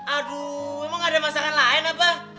aduh emang ada masakan lain apa